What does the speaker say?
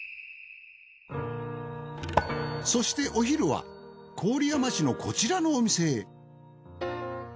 そしてお昼は郡山市のこちらのお店へ。